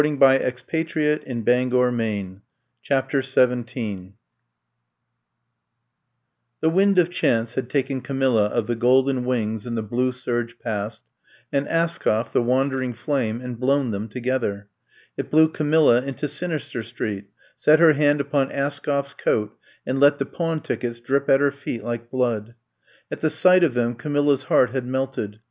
The little cards were pawn tickets 1 CHAPTER XVn THE wind of chance had taken Camilla of the Golden Wings and the Blue Serge Past, and Askoff, the Wandering Flame, and blown them together. It blew Camilla into Sinister Street, set her hand upon Askoff 's coat and let the pawn tickets ■drip at her feet like blood. At the sight of them Camilla's heart had melted.